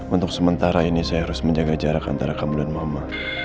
untuk sementara ini saya harus menjaga jarak antara kamu dan mama